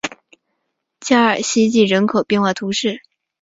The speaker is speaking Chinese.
加尔希济人口变化图示